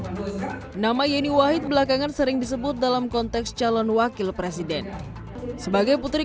hai nama yeni wahid belakangan sering disebut dalam konteks calon wakil presiden sebagai putri